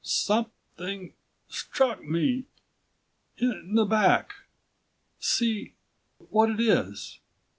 "Something struck me ... in the back. See ... what it is.